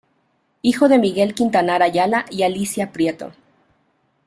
Hijo de Miguel Quintanar Ayala y Alicia Prieto.